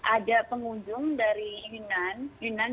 ada pengunjung dari yunnan yunnan juga yang pengunjung